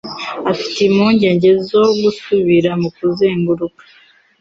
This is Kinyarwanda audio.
Afite impungenge zo gusubira mu kuzenguruka